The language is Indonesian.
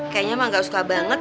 kayaknya emang gak suka banget